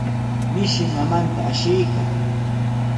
Mishi mamanta ashiykan.